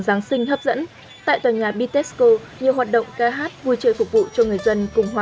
giáng sinh hấp dẫn tại tòa nhà bitexco nhiều hoạt động ca hát vui chơi phục vụ cho người dân cùng hòa